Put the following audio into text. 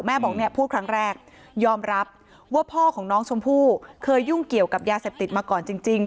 บอกเนี่ยพูดครั้งแรกยอมรับว่าพ่อของน้องชมพู่เคยยุ่งเกี่ยวกับยาเสพติดมาก่อนจริง